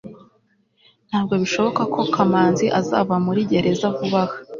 ntabwo bishoboka ko kamanzi azava muri gereza vuba aha